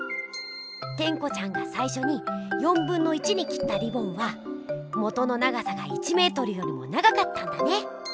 テンコちゃんがさいしょに1/4に切ったリボンは元の長さが１メートルよりも長かったんだね。